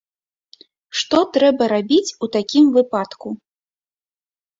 Што трэба рабіць у такім выпадку?